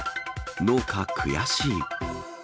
農家、悔しい。